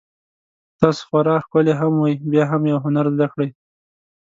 که تاسو خورا ښکلي هم وئ بیا هم یو هنر زده کړئ.